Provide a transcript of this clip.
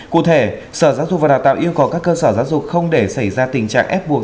cụ thể sở giáo dục và đào tạo yêu cầu các cơ sở giáo dục không để xảy ra tình trạng ép buộc